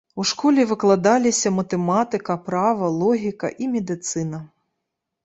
У школе выкладаліся матэматыка, права, логіка і медыцына.